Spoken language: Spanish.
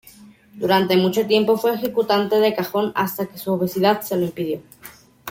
Durante mucho tiempo fue ejecutante de cajón hasta que su obesidad se lo impidió.